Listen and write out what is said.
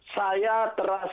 saya terasa terhipnotis